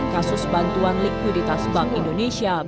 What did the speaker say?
kasus bantuan likuiditas bank indonesia